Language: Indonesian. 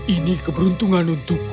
ini keberuntungan untukku